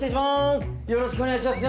よろしくお願いします。